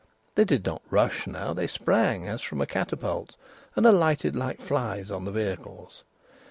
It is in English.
They did not rush now; they sprang, as from a catapult; and alighted like flies on the vehicles.